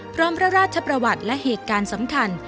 พระราชประวัติและเหตุการณ์สำคัญ